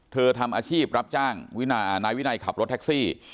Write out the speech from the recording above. เธอทำอาชีพรับจ้างวินา่านายวีนัยขับรถแท็กซี่